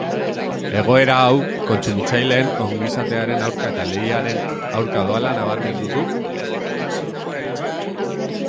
Egoera hau kontsumitzaileen ongizatearen aurka eta lehiaren aurka doala nabarmendu du auzitegiak.